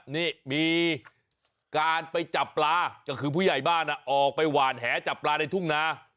นี่มีการไปจับปลาก็คือผู้ใหญ่บ้านออกไปหวานแหจับปลาในทุ่งนา